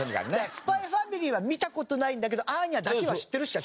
『ＳＰＹ×ＦＡＭＩＬＹ』は見た事ないんだけどアーニャだけは知ってるって人は。